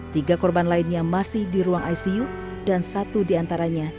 tiga korban lainnya masih di ruang icu dan satu diantaranya